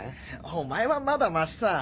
お前はまだマシさ。